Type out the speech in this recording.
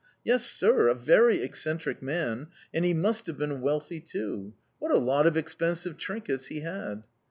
Yes, sir, a very eccentric man; and he must have been wealthy too. What a lot of expensive trinkets he had!"...